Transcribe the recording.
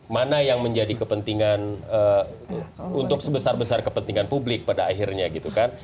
mana yang menjadi kepentingan untuk sebesar besar kepentingan publik pada akhirnya gitu kan